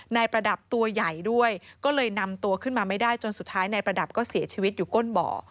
ประดับตัวใหญ่ด้วยก็เลยนำตัวขึ้นมาไม่ได้จนสุดท้ายนายประดับก็เสียชีวิตอยู่ก้นบ่อ